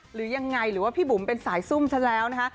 หรือยังไงหรือว่าพี่บุ๋มเป็นสายซุ่มซะแล้วนะคะ